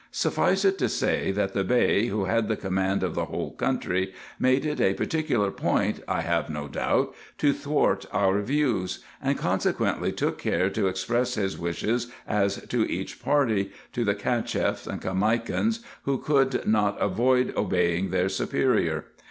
Suffice it to say, that the Bey, who had the command of the whole country, made it a particular point, I have no doubt, to thwart our views ; and consequently took care to express his wishes, as to each party, to the Cacheffs and Caimakans, who could not avoid obeying their superior.